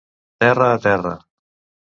Terra a terra.